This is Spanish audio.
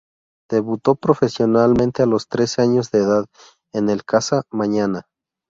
Debutó profesionalmente a los trece años de edad en el Casa Mañana.